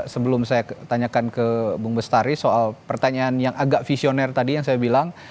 sebelum saya tanyakan ke bung bestari soal pertanyaan yang agak visioner tadi yang saya bilang